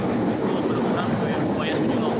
di buaya tujuh puluh